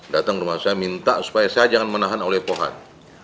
datang ke rumah saya minta supaya saya jangan menahan oleh pohan